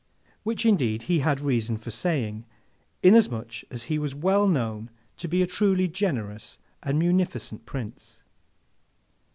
Which indeed he had reason for saying, inasmuch as he was well known to be a truly generous and munificent Prince.